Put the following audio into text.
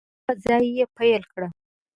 له هماغه ځایه یې پیل کړه